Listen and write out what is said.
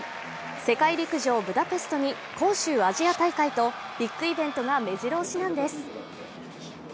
世界陸上ブダペストに杭州アジア大会と、ビッグイベントがめじろ押しなんです。